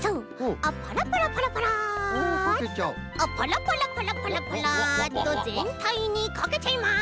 あっパラパラパラパラパラッとぜんたいにかけちゃいます。